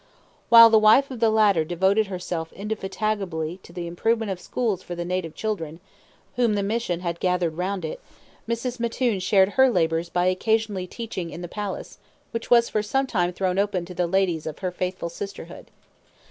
While the wife of the latter devoted herself indefatigably to the improvement of schools for the native children whom the mission had gathered round it, Mrs. Mattoon shared her labors by occasionally teaching in the palace, which was for some time thrown open to the ladies of her faithful sisterhood.